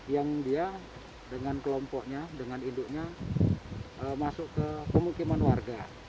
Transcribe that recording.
yang dia dengan kelompoknya dengan induknya masuk ke pemukiman warga